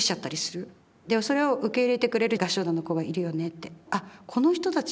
でもそれを受け入れてくれる合唱団の子がいるよねって。